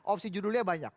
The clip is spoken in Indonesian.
opsi judulnya banyak